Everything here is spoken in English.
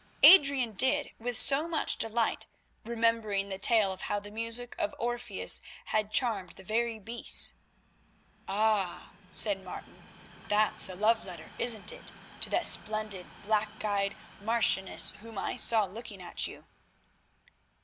Adrian did so with much delight, remembering the tale of how the music of Orpheus had charmed the very beasts. "Ah!" said Martin, "that's a love letter, isn't it, to that splendid, black eyed marchioness, whom I saw looking at you?"